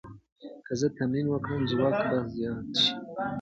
که زه تمرین وکړم، ځواک به زیات شي.